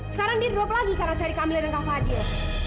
sekarang dia drop lagi karena cari kami dan kang fadil